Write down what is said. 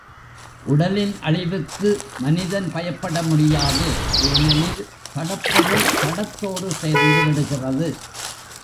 உடலின் அழிவுக்கு மனிதன் பயப்பட முடியாது ஏனெனில் சடப்பொருள் சடத்தோடு சேர்ந்து விடுகிறது.